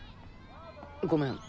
ごめん。